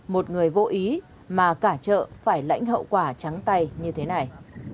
một người vô ý mà cả chợ phải lãnh hậu quả trắng tay như thế này